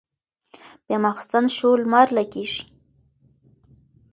بيا ماخستن شو لمر لګېږي